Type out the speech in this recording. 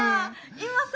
今さ